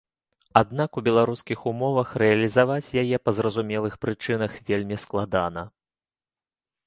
Аднак у беларускіх умовах рэалізаваць яе, па зразумелых прычынах, вельмі складана.